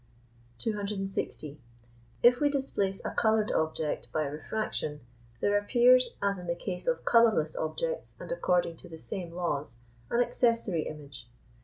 260. If we displace a coloured object by refraction, there appears, as in the case of colourless objects and according to the same laws, an accessory image.